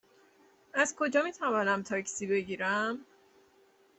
از کجا می توانم تاکسی بگیرم؟